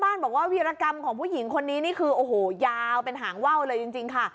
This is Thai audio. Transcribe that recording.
บอกว่าวีรกรรมของผู้หญิงคนนี้นี่คือโอ้โหยาวเป็นหางว่าวเลยจริงค่ะ